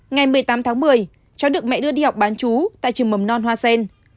ngày một mươi tám tháng một mươi cháu được mẹ đưa đi học bán chú tại trường mầm non hoa sen